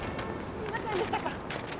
見ませんでしたか？